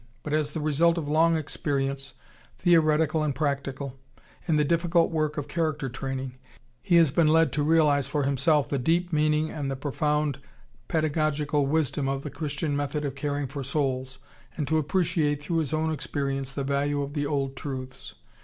But as the result of long experience, theoretical and practical, in the difficult work of character training, he has been led to realize for himself the deep meaning and the profound pedagogical wisdom of the Christian method of caring for souls, and to appreciate, through his own experience, the value of the old truths....